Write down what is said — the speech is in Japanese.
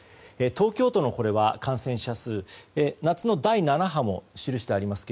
東京都のこれは、感染者数夏の第７波も記してありますが